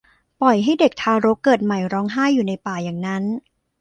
ปล่อยให้เด็กทารกเกิดใหม่ร้องไห้อยู่ในป่าอย่างนั้น